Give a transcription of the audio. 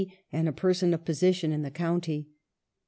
and a person of position in the county.